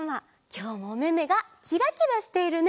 きょうもおめめがキラキラしているね！